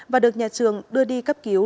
và được nhà trường đưa đi cấp cứu